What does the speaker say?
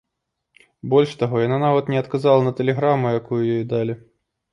Больш таго, яна нават не адказала на тэлеграму, якую ёй далі.